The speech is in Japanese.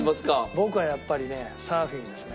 僕はやっぱりねサーフィンですね。